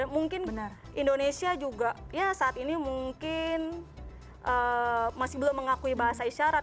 mungkin benar indonesia juga ya saat ini mungkin masih belum mengakui bahasa isyarat